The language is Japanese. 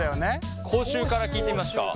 口臭から聞いてみますか？